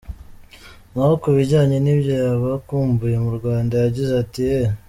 Naho kubijyanye nibyo yaba akumbuye mu Rwanda yagize ati”Eeeh.